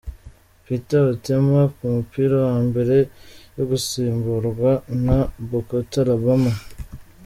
Peter Otema ku mupira mbere yo gusimburwa na Bokota Labama .